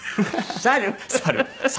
猿。